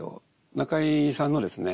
中井さんのですね